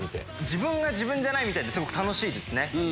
自分が自分じゃないみたいで楽しいです。